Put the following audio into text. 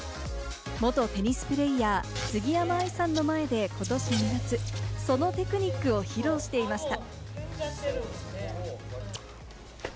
元テニスプレーヤー・杉山愛さんの前で、今年２月、そのテクニックを披露していました。